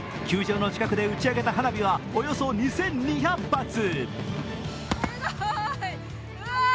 球場の近くで打ち上げた花火はおよそ２２００発。